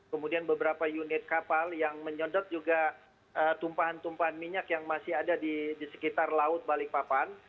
kemudian beberapa unit kapal yang menyodot juga tumpahan tumpahan minyak yang masih ada di sekitar laut balikpapan